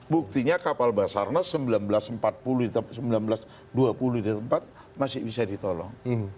buktinya kapal basarnas sembilan belas empat puluh sembilan belas dua puluh ditempat masih bisa ditolak